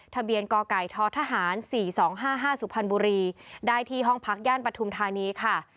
ทะเบียนก่อไก่ท้อทหารสี่สองห้าห้าสุพันธุ์บุรีได้ที่ห้องพักย่านปทุมธานีค่ะ